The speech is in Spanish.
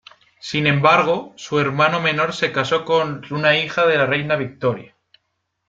Sin embargo, su hermano menor se casó con una hija de la reina Victoria.